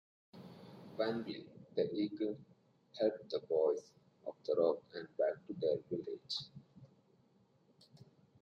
Wanblee, the eagle, helped the boys off the rock and back to their village.